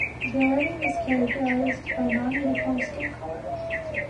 Variety is characterized by a non-uniform skin color.